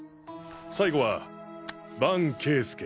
最後は伴啓介。